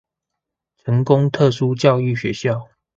成功特殊教育學校